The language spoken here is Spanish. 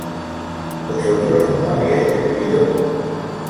¿vosotros no habíais bebido?